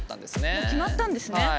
もう決まったんですね。